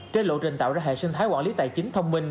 trên lộ trình tạo ra hệ sinh thái quản lý tài chính thông minh